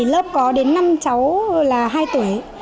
lớp có đến năm cháu là hai tuổi